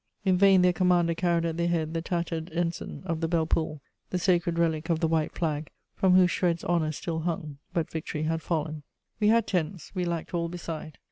In vain their commander carried at their head the tattered ensign of the Belle Poule, the sacred relic of the White Flag, from whose shreds honour still hung, but victory had fallen. We had tents; we lacked all beside.